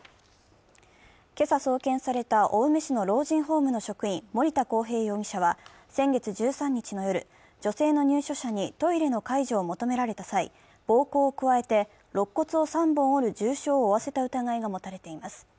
今朝送検された青梅市の老人ホームの職員、森田航平容疑者は、先月１３日の夜、女性の入所者にトイレの介助を求められた際、暴行を加えてろっ骨を３本折る重傷を負わせた疑いが持たれています。